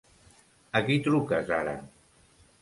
A qui truques ara?